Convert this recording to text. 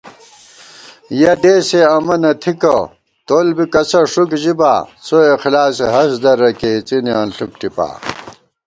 یَہ دېسےامہ نہ تھِکہ ، تول بی کسہ ݭُک ژِبا * څواخلاصےہست درہ کېئی اِڅِنےانݪُک ٹِپا